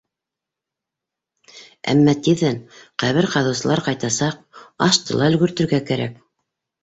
Әммә тиҙҙән ҡәбер ҡаҙыусылар ҡайтасаҡ, ашты ла өлгөртөргә кәрәк.